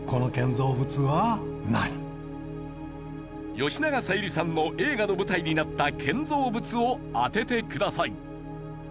吉永小百合さんの映画の舞台になった建造物を当ててください。